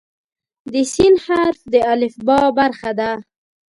د "س" حرف د الفبا برخه ده.